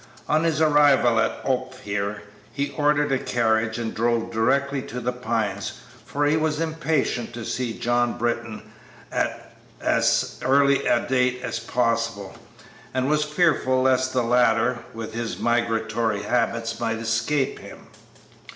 On his arrival at Ophir he ordered a carriage and drove directly to The Pines, for he was impatient to see John Britton at as early a date as possible, and was fearful lest the latter, with his migratory habits, might escape him.